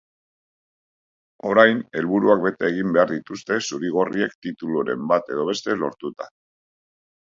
Orain, helburuak bete egin behar dituzte zuri-gorriek tituluren bat edo beste lortuta.